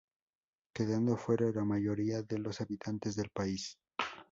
Quedando afuera la mayoría de los habitantes del país.